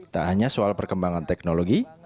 tak hanya soal perkembangan teknologi